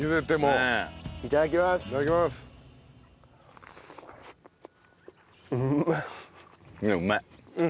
うまい！